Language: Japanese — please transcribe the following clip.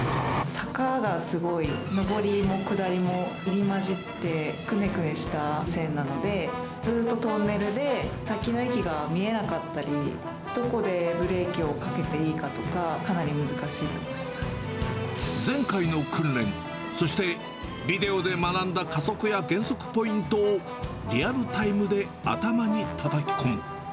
坂がすごい上りもくだりも入り交じって、くねくねした線なので、ずっとトンネルで、先の駅が見えなかったり、どこでブレーキをかけていいかとか、前回の訓練、そしてビデオで学んだ加速や減速ポイントを、リアルタイムで頭にたたき込む。